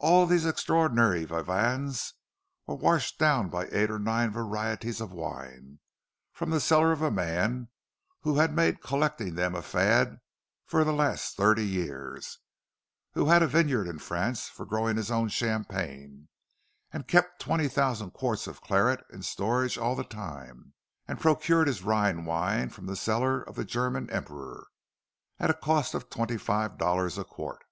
—And all these extraordinary viands were washed down by eight or nine varieties of wines, from the cellar of a man who had made collecting them a fad for the last thirty years, who had a vineyard in France for the growing of his own champagne, and kept twenty thousand quarts of claret in storage all the time—and procured his Rhine wine from the cellar of the German Emperor, at a cost of twenty five dollars a quart!